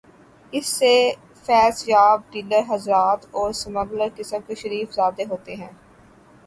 اس سے فیضیاب ڈیلر حضرات اور سمگلر قسم کے شریف زادے ہوتے ہیں۔